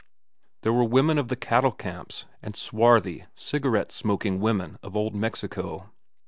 There were women of the cattle camps, and swarthy cigarette smoking women of Old Mexico.